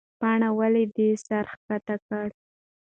پاڼې ولې سر ښکته کړ؟